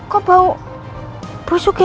kok bau busuk ya